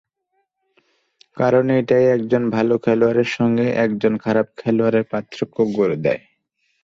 কারণ, এটাই একজন ভালো খেলোয়াড়ের সঙ্গে একজন খারাপ খেলোয়াড়ের পার্থক্য গড়ে দেয়।